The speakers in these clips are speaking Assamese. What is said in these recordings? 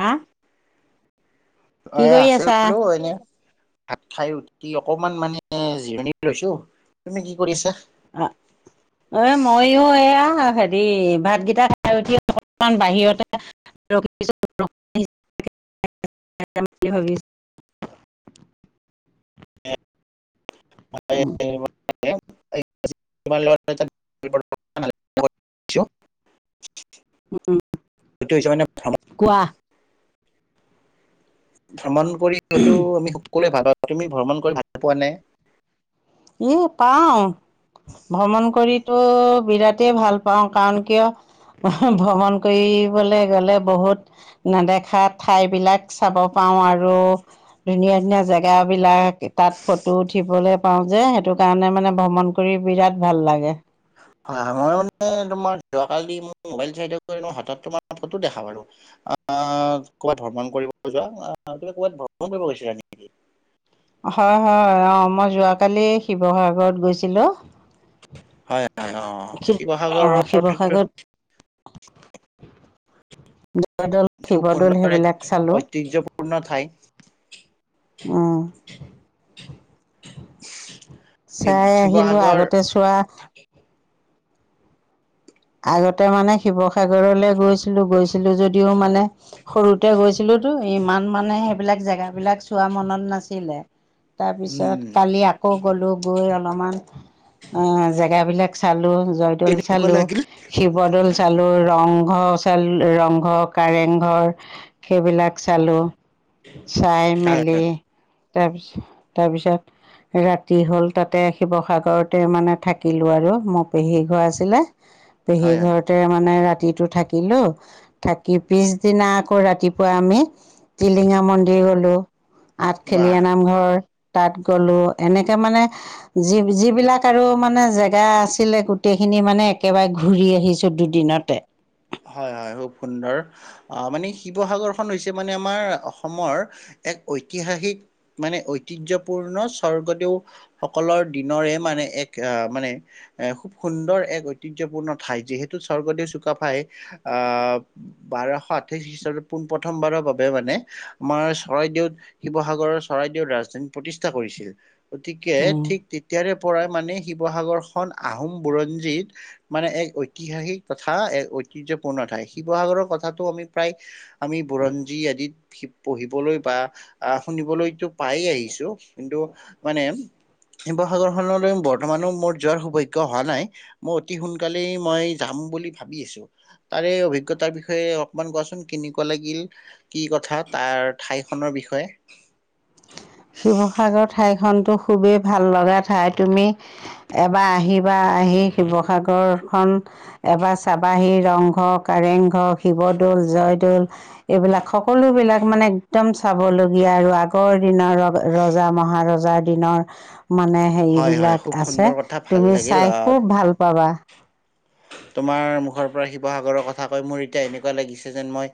হা অ কি কৰি আছে আছা? বোলো এনে ভাত খাই উঠি অকমান মানে জিৰণি লৈছো তুমি কি কৰিছা অ এ মইও এয়া হেৰি ভাতকেইটা খাই উঠি বাহিৰতে [unintelligible] ভ [unintelligible] অ [unintelligible] উম, হৈছে মানে কোৱা? ভ্ৰমণ কৰি হয়তো আমি সকলোৱে ভাল পাওঁ তুমি ভ্ৰমণ কৰি ভাল পোৱা নাই এ পাও ভ্ৰমণ কৰি। তটো বিৰাটেই ভাল পাওঁ কাৰণ কিয় ভ্ৰমণ কৰিবলে গলে বহুত নেদেখা ঠাই বিলাক চাব পাওঁ পা আৰু ধুনীয়া ধুনীয়া জেগ বিলাক তাত ফটো উঠিবলৈ পাওঁ যে সেইটো কাৰণে মানে ভ্ৰমণ কৰি বিৰাট ভাল লাগে হয় মই মান তোমাৰ যোৱি ম মল হ তোমাৰ ফটো দেখা বাৰু আহ ক'ৰবাত ভ্ৰমণ কৰিব যোৱা আহ তুম ক'ৰবাত ভ্ৰমণ কৰিব গৈছিলা নে নেকি হয়-হয় অ' মই যোৱাকালি শিৱসাগৰত গৈছিলো। হয় হয় অ অহ, শিৱসাগৰত শিৱসাগৰত জয়দৌল খুব শিৱদৌল সুন্দৰ এক সেইবিলাক চালো ঐতিহ্যপূৰ্ণ ঠাই উম, শিৱ চাই আহিলো শিৱসাগৰ আগতে চোৱা। আগতে মানে শিৱসাগৰলে গৈছিলো গৈছিলো যদিও মানে সৰুতে গৈছিলো টো ইমান মানে সেইবিলাক জেগাবলাক চোৱা মনত নাছিলে। তাৰ উম পিছত কালি আকৌ গলো গৈ অলপমান অ জেগাবিলাক চালো। জয়দল কেনেকুৱা চালো। লাগিল শিৱদৌল চালো ৰংঘ চালো ৰংঘ কাৰেংঘৰ সেইবিলাক, তাক চালো চাই হয় মেলি তাৰপিছত-তাৰপিছত ৰাতি হল তাতে শিৱসাগৰতে মানে থাকিলো আৰু মোৰ পেহী ঘৰ আছিলে পেহী হয় হয় ঘৰতে মানে ৰাতি। ৰাতিটো থাকিলো থাকি পিছদিনা আকৌ ৰাতিপুৱা আমি টিলিঙা মন্দিৰ গলো আঠফেলিয় বাহ নামঘৰ। তাত গ'লো এনেকে মানে যি যিবিলাক আৰু মানে জেগা আছিলে গোটেই, গোটেই খিনি মানে একেবাৰে ঘূৰি আহিছো দুদিনতে, হয়-হয় খুব সুন্দৰ অহ, মানে শিৱসাগৰখন হৈছে মানে আমাৰ অসমৰ, এক ঐতিহাসিক মানে ঐতিজ্যপূৰ্ণ স্বৰ্গদেউসকলৰ দিনৰে মান মানে এক আহ মানে এ খুব সুন্দৰ এক ঐতিহ্য়পূৰ্ণ ঠাই যিহেতু স্বৰ্গদেউ চুকাফাই অহ বাৰশ আঠাইশ খ্ৰীষ্টাবত পোন প্ৰথমবাৰৰ বাবে মানে আমাৰ চৰাই দেউত শিৱসাগৰৰ চৰাইদেউৰ ৰাজধানী প্ৰতিষ্ঠা কৰিছিল। গতিকে উম। ঠিক তেতিয়াৰে পৰা মানে শিৱসাগৰ খন আহোম বুৰঞ্জীত মানে এক ঐতিহাসিক তথা এক ঐতিহ্যপূৰ্ণ ঠাই শিৱসাগৰৰ কথাটো আমি প্ৰায় আমি বুৰঞ্জী আদিত পঢ়িবলৈ পাও। বা অহ শুনিবলৈতো পাই আহিছো কিন্তু মানে, শিৱসাগৰখনলৈ বৰ্তমানো মোৰ যোৱাৰ সৌভাগ্য হোৱা নাই মই অতি সোনকালেই মই যাম। বুলি ভাবি আছোঁ। তাৰে অভিজ্ঞতাৰ বিষয়ে অলপমান কোৱাচোন কেনেকুৱা লাগিল কি কথা তাৰ ঠাই। নৰ বিষয়ে। শিৱসাগৰ ঠাই খনতো খুবেই ভাল লগা ঠাই তুমি এবাৰ আহিবা আহি শিৱসাগৰ খ এবাৰ চাবাহি ৰংঘৰ কাৰেংঘৰ, শিৱদ'ল জয়দ'ল, এইবিলাক সকলো বিলাক মানে এক্দম চাবলগীয়া আৰু আগৰ দিনৰ, ৰজা মহাৰজাৰ দিনৰ। মানে হয় হয় হেৰিবিলাক খুব সুন্দৰ আছে কথা ভাল তুমি লাগিল চাই আহ খুব ভাল পাবা। তোমাৰ মুখৰ পৰা শিৱসাগৰৰ কথা কৈ মোৰ এতিয়া এনেকুৱা লাগিছে যেন মই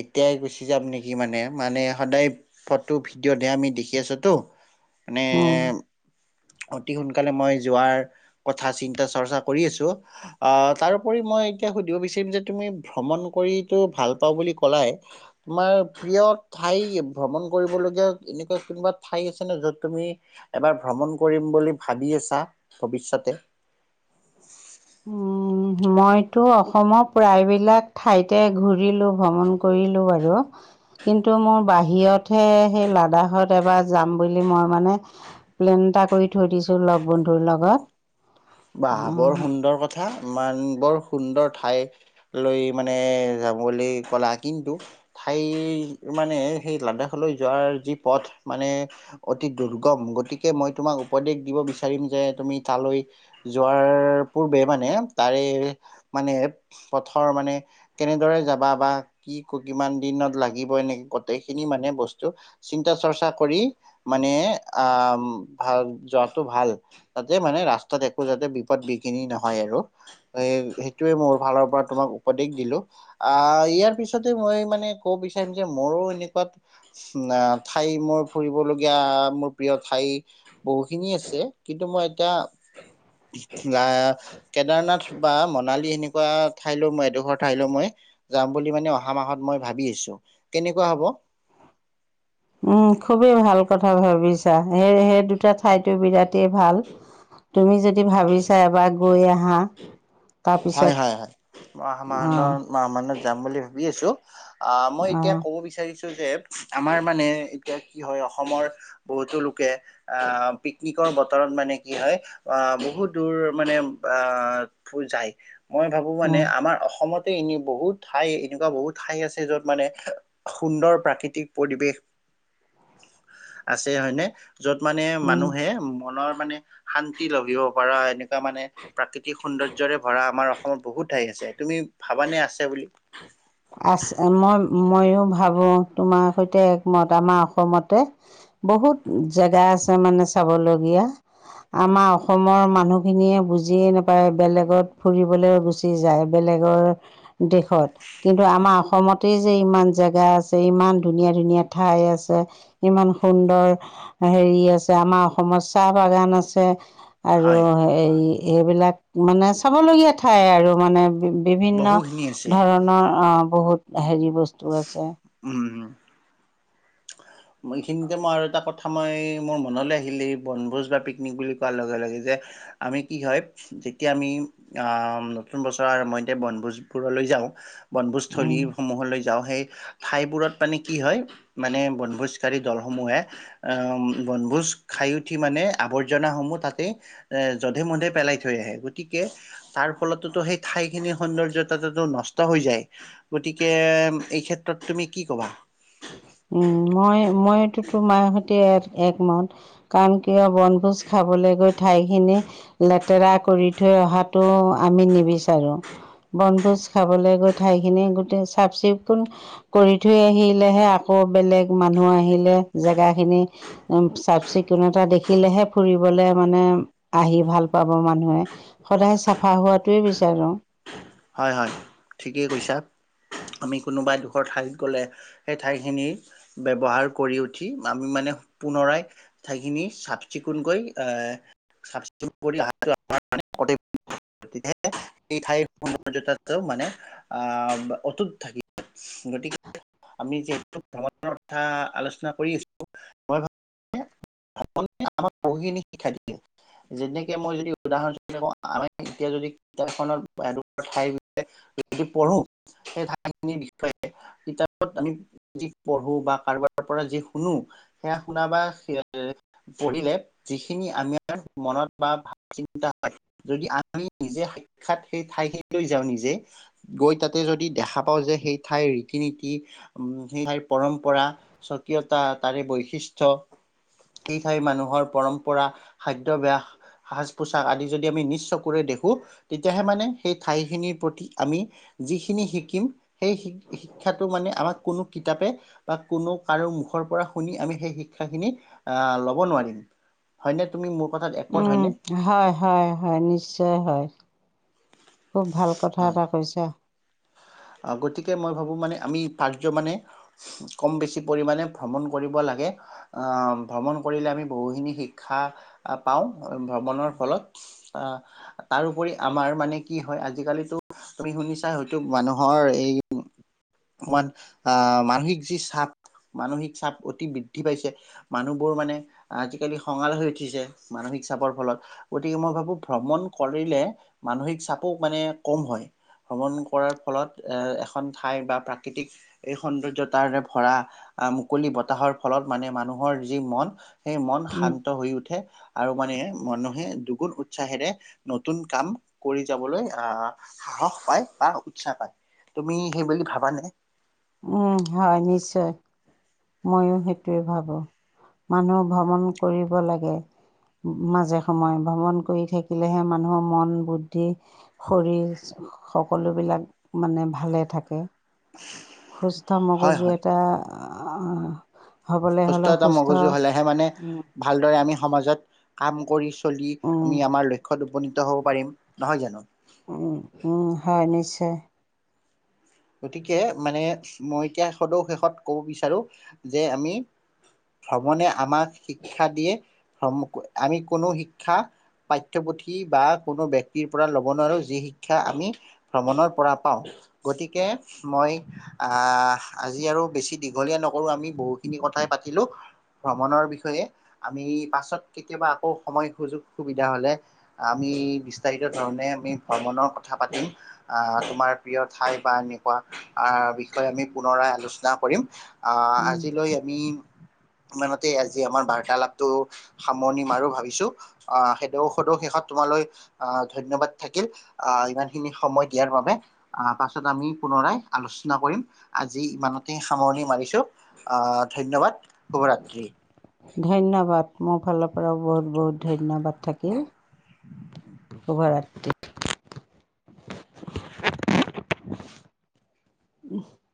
এতিয়াই গুচি যাম। নেকি মানে মানে সদায় ফটো ভিডিঅ' দে আমি দেখি আছোতো। আানে অতি সোনকালে মই যোৱাৰ কথা চিন্তা চৰ্চা কৰি আছো। আহ তাৰোপৰি মই এতিয়া সুধিব বিচাৰিম যে তুমি ভ্ৰমণ কৰিতো ভাল পাওঁ বুলি কলাই। তোমাৰ প্ৰিয় ঠাই ভ্ৰমণ কৰিবলগীয়া এনেকুৱা কোনোবা ঠাই আছেনে য'ত তুমি এবাৰ ভ্ৰমণ কৰিম বুলি ভাবি আছা ভৱিষ্যতে। উম মইতো অসমৰ প্ৰায়বিলাক ঠাইতে ঘূৰিলোঁ ভ্ৰমণ কৰিলোঁ বাৰু। কিন্তু মোৰ বাহিৰতহে সেই লাডাখত এবাৰ যাম বুলি মই মানে প্লেন এটা কৰি থৈ দিছো লগ বন্ধুৰ লগত। বাহ বৰ উম, সুন্দৰ কথ থা ইমান বৰ সুন্দৰ ঠাইলৈ মানে যাম বুলি ক'লা। কিন্তু ঠাই মানে সেই লাডাখলৈ যোৱাৰ যি পথ মানে অতি দুৰ্গম গতিকে মই তোমাক উপদেশ দিব বিচাৰিম যে তুমি তালৈ যোৱাৰ পূৰ্বে মানে তাৰে মানে পথৰ মানে কেনেদৰে যাবা বা কি কিমান দিনত লাগিব নেকি গোটেই খিনি মানে বস্তু চিন্তা চৰ্চা কৰি মানে ভ যোৱাটো ভাল তাতে মানে ৰাস্তা যাতে বিপদ বিঘিনি নহয় আৰু সেইটোৱে মোৰ ফালৰ পৰা তোমাক উপদেশ দিলো। আহ ইয়াৰ পিছতে মই মানে কব বিচাৰিম যে মোৰো এনেকুৱা ঠাই মোৰ ফুৰিবলগীয়া মোৰ প্ৰিয় ঠাই বহুখিনি আছে। কিন্তু মই এতিয়া আ কেদাৰনাথ বা মনালী এনে তেনেকুৱা ঠাইলৈ মই এডোখৰ ঠাইলৈ মই যাম বুলি মানে অহা মাহত মই ভাবি আছো। কেনেকুৱা হ'ব? [inaudible] উম, খুবেই ভাল কথা ভাবিছা। সেই সেই দুটা ঠাইতো বিৰাটেই ভাল। তুমি যদি ভাবিছা এবাৰ গৈ আহা। হয়, তাৰপিছত হয়, হয় অঁ মই আহত যাম বুলি ভাবি আছো। আহ মই এতিয়া ক'ব বিচাৰিছো যে আমাৰ মানে এতিয়া কি হয় অসমৰ বহুতো ল কে পিকনিক বতৰত মানে কি হয় আহ বহুত দূৰ মানে আহ যায়। মই ভাবোঁ মানে আমাৰ অসমত এনে বহুত ঠাই এনেকুৱা বহুত ঠাই আছে য'ত মানে সুন্দৰ প্ৰাকৃতিক পৰিৱেশ আছে হয়নে? য'ত মানে অঁ মানুহে মনৰ মানে শান্তি লভিব পাৰ এনেকুৱা মানে প্ৰাকৃতিক ৰে ভৰা আমাৰ অসমত বহুত ঠাই আছে। তুমি ভাবানে আছে বুলি? আছে মই ময়ো ভাবো তোমাৰ সৈতে একমত আমাৰ অসমতে বহুত জেগা আছে মানে চাবলগীয়া। আমাৰ অসমৰ মানুহখিনিয়ে বুজিয়ে নাপায় বেলেগত ফুৰিবলৈ গুচি যায়। বেলেগ বেলেগৰ দেশত। কিন্তু আমাৰ অসমতেই যে ইমান জেগা আছে ইমান ধুনীয়া ধুনীয়া ঠাই আছে। ইমান সুন্দৰ হেৰি আছে আমাৰ অসমত চাহ বাগান আছে। আৰু হয় এই এইবিলাক মানে চাবলগীয়া ঠাই আৰু মানে। বিভিন্ন বহুখিনি আছে ধৰণৰ আহ বহুত হেৰি বস্তু আছে। উম। এইখিনিতে মই আৰু এটা কথা মই মোৰ মনলৈ আহিলে এই বনভোজ বা পিকনিক বুলি কোৱাৰ লগে লগে যে আমি কি হয় যেতিয়া আমি অ নতুন বছৰৰ আৰম্ভণিতে বনভোজোৰলৈ যা যাওঁ বনভোজ উম স্থলীসমূহলৈ যাওঁ সেই ঠাইবোৰত মানে কি হয় মানে বনভোজ ভোজ দলসমূহে আ বনভোজ খায় উঠি মানে আৰ্ৱজনাসমূহ তাতে এ যধে মধে পেলাই থৈ আহে। গতিকে তাৰ ফলতোতো সেই ঠাইখিনি সৌন্দৰ্যতা নষ্ট হৈ যায় গতিকে এই ক্ষেত্ৰত তুমি কি কবা? উম, মই মইটো তোমাৰ সৈতে একমত। কাৰণ কিয় বনভোজ খাবলৈ গৈ ঠাই খিনি লেতেৰা কৰি থৈ অহাটো আমি নিবিচাৰো বনভোজ খাবলৈ গৈ ঠাইখিনি গোটেই চাফ চিকুণ কৰি থৈ আহিল দিলেহে আকৌ বেলেগ মানুহ আহিলে জেগা খিনি উ চাফ চিকুণতা দেখিলেহে হে ফুৰিবলে মানে আহি ভাল পাব মানুহে সদায় চাফা হোৱাাতোৱে বিচাৰোঁ হয় হয় ঠিকেই কৈছা আমি কোনোবাই এডোখৰ ঠাইত গ'লে সেই ঠাইখিনিৰ ব্যৱহাৰ কৰি উঠি আমি পুনৰাই সঠাইখিনি চাফ চিকুণকৈ আহ তেএই ঠাইৰ [unintelligible] মানে আহ অতুত থাকে গতিকে আমি যিহেতু ভ্ৰমণৰ কথা আলোচনা কৰি আছো মই ভাব আ আমাক পঢ়িিনি শিক্ষাই দিয়ে যেনেকে মই যদি উদাহৰণ আমি এতিয়া যদি কিতাপখনত এ ঠাই বি যদি পঢ়ো সেই ঠাইখিনিৰ বিষয়ে কিতাপত আমি যি পঢ়ো বা কাৰোবাৰ পৰা যি শুনো সেয়া শুন বা কৰিলে যিখিনি আমাৰ মনত বা ভ চিন্তা হয় যদি আমি নিজে সাক্ষাৎ সেই ঠাই খিনিলৈ যাওঁ নিজে গৈ তাতে যদি দেখা পাওঁ যে সেই ঠাই ৰীতি নীতি তাই পৰম্পৰা স্বকীয়তা তাৰে বৈশিষ্ট্য এই ঠাই মানুহৰ পৰম্পৰা খাদ্যাভ্যাস সাজ পোছাক আদি যদি আমি নিশ চকুৰে দেখো তেতিয়াহে মানে সেই ঠাই খিনিৰ প্ৰতি আমি যিখিনি শিকিম সেই শিক্ষাটো মানে আমাক কোন কোনো কিতাপে বা কোনো কাৰো মুখৰ পৰা শুনি আমি সেই শিক্ষাখিনি আহ ল'ব নোৱাৰিম হয়, ন তুমি মোক উম, হয়, হয়, হয়, নিশ্চয় হয় খুব ভাল কথা এটা কৈছা। গতিকে মই ভাবো মানে আমি প্য মানে কম বেছি পৰিমাণে ভ্ৰমণ কৰিব লাগে লাগে আহ ভ্ৰমণ কৰিলে আমি বহুখিনি শিক্ষা পাওঁ ভ্ৰমণৰ ফলত অ তাৰোপৰি আমাৰ মানে কি হয় আজিকালিো তুমি শুনিছা হয়তো মানুহ ৰ এইমান আহ মানসিক যি চাপ মানসিক চাপ অতি বৃদ্ধি পাইছে মানুহবোৰ মানে আজিকালি খঙাল হৈ উঠিছে মানসিক চাপৰ ফলত গতিকে মই ভাবো ভ্ৰমণ কৰিলে মানসিক চাপো মানে কম হয় ভ্ৰমণ কৰা ফলত এ এখন ঠাই বা প্ৰাকৃতিক এই সৌন্দৰ্যতাৰোৰে ভৰা মুকলি বতাহত ফলত মানে মানুহৰ যি মন সেই মন উম। শান্ত হৈ উঠে আৰু মানে মানুহে দুগুণ উৎসাহেৰে নতুন কাম কৰি যাবলৈ আহ সাহস পায় বা উৎসাহ পায়, তুমি সেইবুলি ভাবানে? উম, হয় নিশ্চয় ময়ো সেইটোৱে ভাবো। মানুহ ভ্ৰমণ কৰিব লাগে। মাজে সময়ে ভ্ৰমণ কৰি থাকিলেহে মানুহৰ মন বুদ্ধি শৰীৰ সকলোবিলাক মানে ভালে থাকে সুস্থ হয় মগজু হয় এটা হ'বলৈ সুস্থ হ'লে এতা মগজু হলেহে মানে উম, ভালদৰে আমি সমাজত কাম কৰিছোঁ চলি উম, আমি আমাৰ লক্ষ্যত উপনীত হ'ব পাৰিম নহয় জানো উ, উম হয়, নিশ্চয়। গতিকে মানে মই এতিয়া শে সদৌ শেষত কব বিচাৰো যে আমি ভ্ৰমণে আমাক শিক্ষা দিয়ে ভ্ৰম আমি কোনো শিক্ষা পাঠ্যপুথি বা কোনো ব্যক্তিৰ পৰা ল'ব নোৱাৰো যি শিক্ষা আমি ভ্ৰমণৰ পৰা পাওঁ গতিকে মই আজি আৰু বেছি দীঘলীয়া নকৰোঁ আমি বহুখিনি কথাই পাতিলোঁ ভ্ৰমণৰ বিষয়ে আমি পাছত কেতিয়াবা আকৌ সময়, সুযোগ, সুবিধা হলে আমি আমি বিস্তাৰিত ধৰনে আমি ভ্ৰমণৰ কথা পাতিম তোমাৰ প্ৰিয় ঠাই বা এনেকুৱা আহ বিষয়ে আমি পুনৰাই আলোচনা কৰিম আহ উম, আজিলৈ আমি [unintelligible] মানতে আজি আমাৰ বাৰ্তালাপটো সামৰণি মাৰো ভাবিছো আহ সদৌ সদৌ শেষত তোমাৰ ধন্যবাদ থাকিল আহ ইমান খিনি সময় দিয়াৰ বাবে আহ প আমি পুনৰাই আলোচনা কৰিম আজি ইমানতে সামৰণি মাৰিছো আহ ধন্যবাদ শুভ ৰাত্ৰি ধন্যবাদ মোৰ ফালৰ পৰাও বহুত বহুত ধন্যবাদ থাকিল শভাৰত্ৰি উম